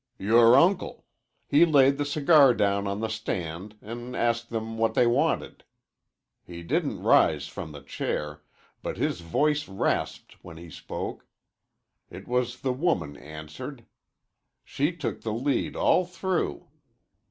"Yore uncle. He laid the cigar down on the stand an' asked them what they wanted. He didn't rise from the chair, but his voice rasped when he spoke. It was the woman answered. She took the lead all through.